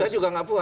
nanti giliran pak